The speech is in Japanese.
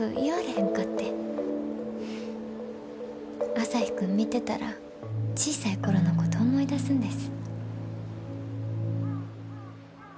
朝陽君見てたら小さい頃のこと思い出すんです。